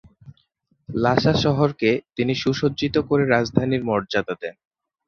লাসা শহরকে তিনি সুসজ্জিত করে রাজধানীর মর্যাদা দেন।